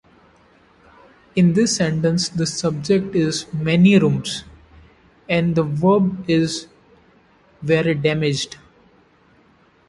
In this sentence, the subject is "many rooms" and the verb is "were damaged".